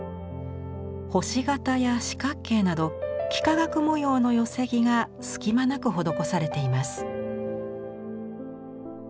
星形や四角形など幾何学模様の寄木が隙間なく施されています。